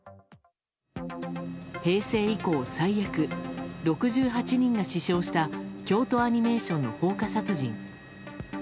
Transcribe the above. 平成以降最悪６８人が死傷した京都アニメーションの放火殺人。